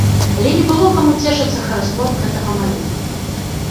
Але не было каму цешыцца хараством гэтага малюнка.